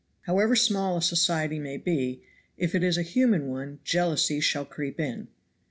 However small a society may be, if it is a human one jealousy shall creep in.